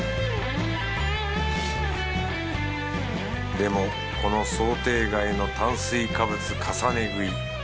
でもこの想定外の炭水化物重ね食い。